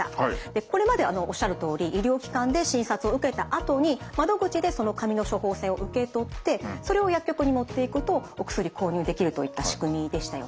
これまでおっしゃるとおり医療機関で診察を受けたあとに窓口でその紙の処方箋を受け取ってそれを薬局に持っていくとお薬購入できるといった仕組みでしたよね。